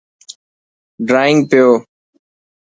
ڊرانگ پيو.